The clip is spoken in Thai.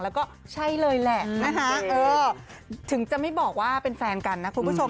แล้วก็ใช่เลยแหละนะคะถึงจะไม่บอกว่าเป็นแฟนกันนะคุณผู้ชม